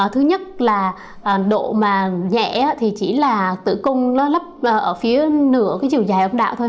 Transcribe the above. thứ nhất là độ mà nhẹ thì chỉ là tử cung nó lấp ở phía nửa cái chiều dài ống đạo thôi